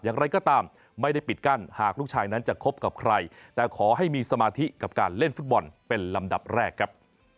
อย่างไรก็ตามไม่ได้ปิดกั้นหากลูกชายนั้นจะคบกับใครแต่ขอให้มีสมาธิกับการเล่นฟุตบอลเป็นลำดับแรกครับ